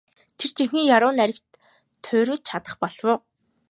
Тэр жинхэнэ яруу найраг туурвиж чадах болов уу?